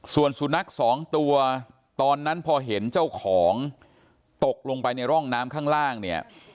ส่วนสุนัขสองตัวตอนนั้นพอเห็นเจ้าของตกลงไปในร่องน้ำข้างล่างเนี่ย